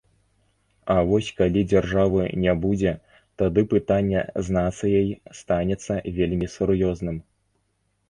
А вось калі дзяржавы не будзе, тады пытанне з нацыяй станецца вельмі сур'ёзным.